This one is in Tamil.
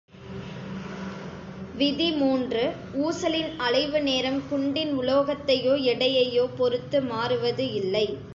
விதி மூன்று ஊசலின் அலைவு நேரம் குண்டின் உலோகத்தையோ, எடையையோ பொறுத்து மாறுவது இல்லை.